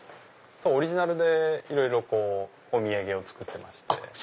オリジナルでいろいろお土産を作ってまして。